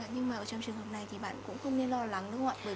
nhưng mà ở trong trường hợp này thì bạn cũng không nên lo lắng đúng không ạ